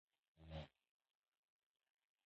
ښایي چې قبر یې جوړ سي.